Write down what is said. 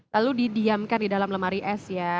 lalu didiamkan di dalam lemari es ya